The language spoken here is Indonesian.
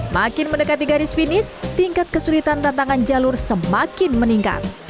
makin mendekati garis finish tingkat kesulitan tantangan jalur semakin meningkat